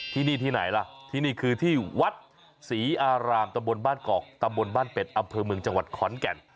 ที่นี่ที่ไหนล่ะที่นี่คือที่วัดศรีอารามตำบลบ้านกอกตำบลบ้านเป็ดอำเภอเมืองจังหวัดขอนแก่น